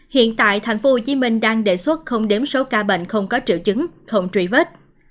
hiện tại thành phố hồ chí minh đang đề xuất không đếm số ca bệnh không có triệu chứng không truy vết